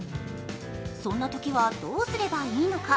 そんなときはどうすればいいのか。